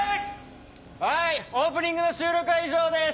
はいオープニングの収録は以上です。